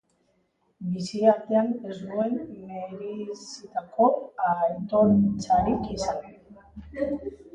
Bizi artean ez zuen merezitako aitortzarik izan.